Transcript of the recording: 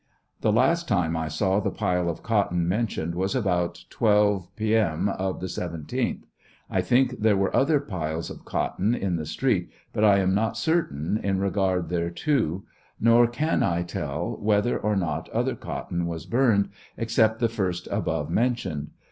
The last time I saw the pile of cotton mentioned was about 12 M. of the 17th. I think there were other piles of cotton in the street, but I am not certain in regard thereto, nor can I tell whether or not other cotton was burned, except the first above mentioned.